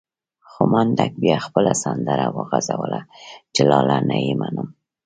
خو منډک بيا خپله سندره وغږوله چې لالا نه يې منم.